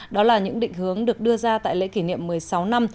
đó là những định hướng được đưa ra tại lễ kỷ niệm một mươi sáu năm